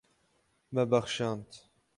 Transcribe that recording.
Me bexşand.